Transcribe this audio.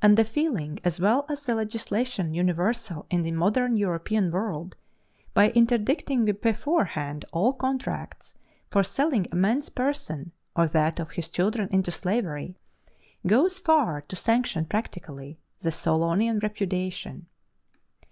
And the feeling as well as the legislation universal in the modern European world, by interdicting beforehand all contracts for selling a man's person or that of his children into slavery, goes far to sanction practically the Solonian repudiation.